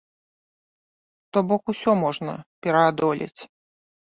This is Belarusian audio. То бок усё можна пераадолець.